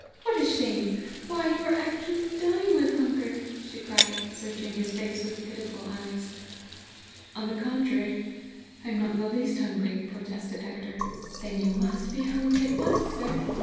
What a shame! Why, you are actually dying with hunger!" she cried, searching his face with pitiful eyes. "On the contrary, I am not in the least hungry," protested Hector. "Then you must be hungry at once, sir.